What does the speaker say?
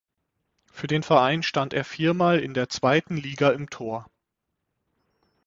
Für den Verein stand er viermal in der zweiten Liga im Tor.